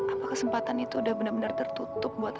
apa kesempatan itu udah bener bener tertutup buat aku